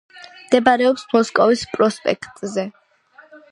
მდებარეობს მოსკოვის პროსპექტზე.